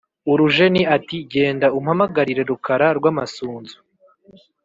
urujeni ati"genda umpamagarire rukara rwamasunzu